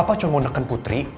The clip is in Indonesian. apa cuma mau neken putri